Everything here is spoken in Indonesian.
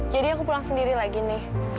jadi aku pulang sendiri lagi nih